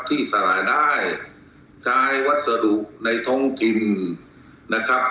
ที่สาหร่ายได้ใช้วัสดุในท้องทิมนะครับ